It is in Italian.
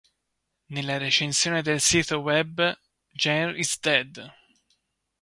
Nella recensione del sito web "Genre Is Dead!